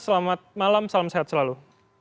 selamat malam salam sehat selalu